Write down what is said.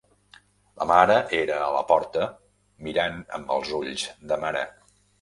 La mare era a la porta mirant amb els ulls de mare